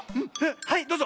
はいどうぞ。